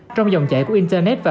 trong dòng chạy của internet và